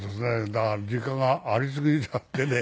だから時間がありすぎちゃってね。